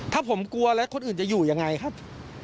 ถ้าผมกลัวแล้วคนอื่นจะอยู่ยังไงครับ